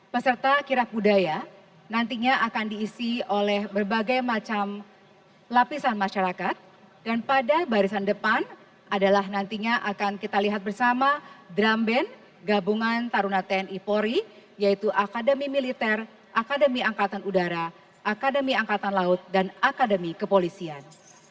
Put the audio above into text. peserta kirab budaya nantinya akan diisi oleh berbagai macam lapisan masyarakat dan pada barisan depan adalah nantinya akan kita lihat bersama drum band gabungan tarunaten ipori yaitu akademi militer akademi angkatan udara akademi angkatan laut dan akademi kepolisian